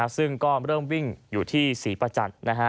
ซึ่งก็เริ่มวิ่งอยู่ที่ศรีประจันทร์